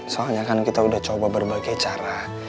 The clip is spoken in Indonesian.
soalnya kan kita udah coba berbagai cara